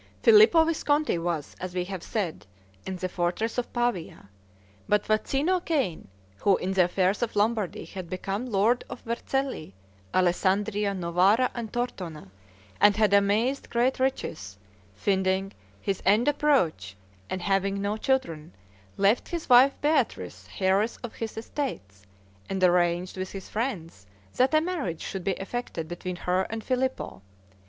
Filippo Visconti was, as we have said, in the fortress of Pavia. But Fazino Cane, who in the affairs of Lombardy had become lord of Vercelli, Alessandria, Novara, and Tortona, and had amassed great riches, finding his end approach, and having no children, left his wife Beatrice heiress of his estates, and arranged with his friends that a marriage should be effected between her and Filippo.